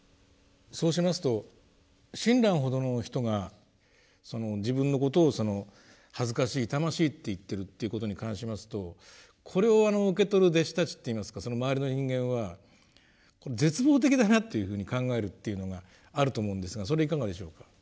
そうしますと親鸞ほどの人がその自分のことを「恥ずかしい傷ましい」って言ってるということに関しますとこれを受け取る弟子たちっていいますかその周りの人間は絶望的だなというふうに考えるというのがあると思うんですがそれいかがでしょうか。